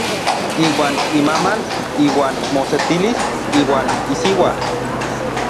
Iuan imaman iuan mosetilis iuan isiua.